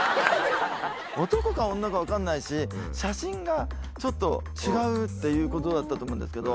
男か女か分かんないし写真がちょっと違うっていうことだったと思うんですけど。